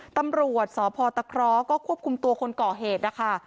ตำรวจสพตะเคราะห์ก็ควบคุมตัวคนก่อเหตุนะคะ